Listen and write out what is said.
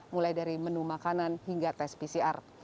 mulai dari menu makanan hingga tes pcr